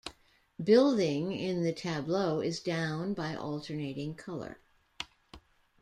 Building in the tableau is down by alternating color.